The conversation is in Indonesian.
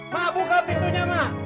mak buka pintunya mak